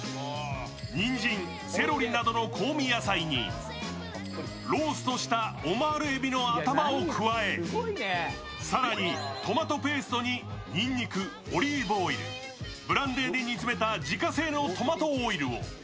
にんじん、セロリなどの香味野菜にローストしたオマール海老の頭を加え更にトマトペーストににんにく、オリーブオイル、ブランデーで煮詰めた自家製のトマトオイルを。